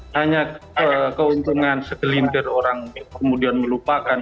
hanya keuntungan segelintir orang kemudian melupakan